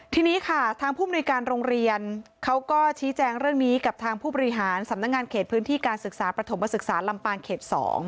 ทีนี้ค่ะทางผู้มนุยการโรงเรียนเขาก็ชี้แจงเรื่องนี้กับทางผู้บริหารสำนักงานเขตพื้นที่การศึกษาประถมศึกษาลำปางเขต๒